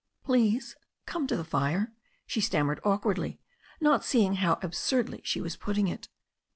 "Please come to the fire," she stammered awkwardly, not seeing how absurdly she was putting it.